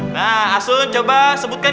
nah asun coba sebutkan